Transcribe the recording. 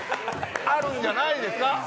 あるんじゃないですか？